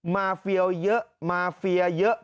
มาเฟียวเยอะมาเฟียเยอะ